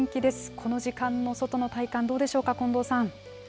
この時間の外の体感、どうでしょうか、近藤さん。